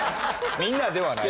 みんなではないよ。